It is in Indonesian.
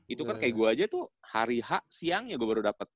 itu kan kayak gue aja tuh hari h siangnya gue baru dapet